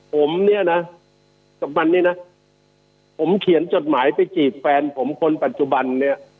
ผมเนี่ยนะกับมันเนี่ยนะผมเขียนจดหมายไปจีบแฟนผมคนปัจจุบันเนี่ย